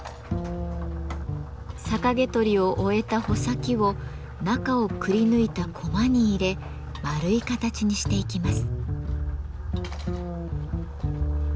逆毛取りを終えた穂先を中をくりぬいた「コマ」に入れ丸い形にしていきます。